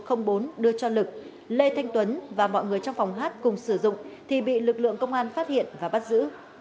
sau khi mua được ma túy lê thanh tuấn và mọi người trong phòng hát cùng sử dụng thì bị lực lượng công an phát hiện và bắt giữ